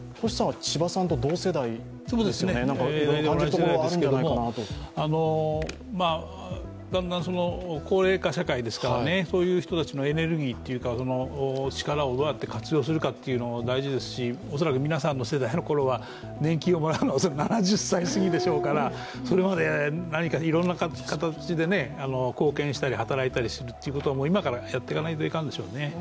同じ世代ですけども、だんだん高齢化社会ですから、そういう人のエネルギー力をどうやって活用するかというのも大事ですし恐らく皆さんの世代の頃は年金をもらうのは７０歳すぎでしょうから、それまで何かいろんな形で貢献したり働いたりするっていうことを今からやっていかないといかんでしょうね。